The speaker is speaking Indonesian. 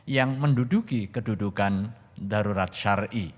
yang menduduki kedudukan darurat syari